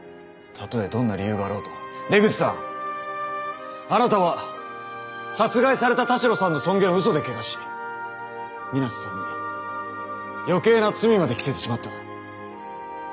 たとえどんな理由があろうと出口さんあなたは殺害された田代さんの尊厳をうそで汚し水無瀬さんに余計な罪まで着せてしまった。